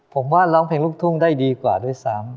ผมว่าร้องเพลงลูกทุ่งได้ดีกว่าด้วยซ้ำ